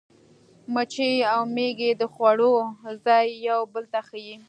مچۍ او مېږي د خوړو ځای یو بل ته ښيي.